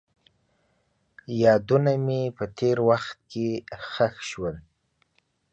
یادونه مې په تېر وخت کې ښخ شول.